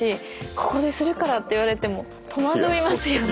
ここでするからって言われても戸惑いますよね。